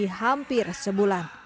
di hampir sebulan